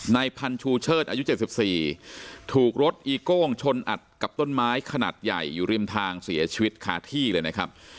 พันชูเชิดอายุ๗๔ถูกรถอีโก้งชนอัดกับต้นไม้ขนาดใหญ่อยู่ริมทางเสียชีวิตคาที่เลยนะครับ